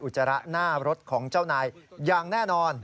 จระหน้ารถของเจ้านายอย่างแน่นอน